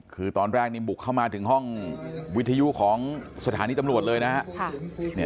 คือตอนแรกนี่บุกเข้ามาถึงห้องวิทยุของสถานีตำรวจเลยนะฮะ